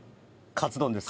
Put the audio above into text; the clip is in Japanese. カツ丼です。